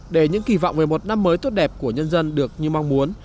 để những kỳ vọng về một năm mới tốt đẹp của nhân dân được như mong muốn